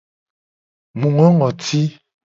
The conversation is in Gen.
Mu ngo ngoti.